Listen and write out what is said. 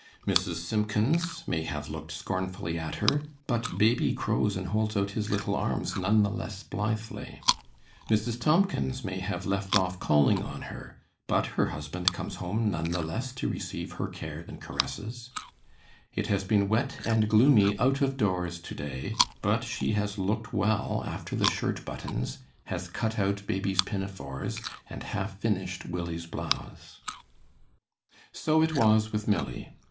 Mrs. Simpkins may have looked scornfully at her, but baby crows and holds out his little arms none the less blithely; Mrs. Tomkins may have left off calling on her, but her husband comes home none the less to receive her care and caresses; it has been wet and gloomy out of doors to day, but she has looked well after the shirt buttons, has cut out baby's pinafores, and half finished Willy's blouse. So it was with Milly.